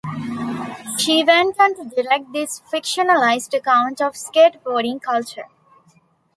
She went on to direct this fictionalized account of skateboarding culture.